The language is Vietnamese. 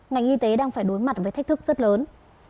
ngành y tế đang phải đối mặt với thách thức rất lớn